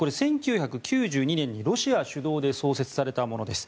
これ１９９２年にロシア主導で創設されたものです。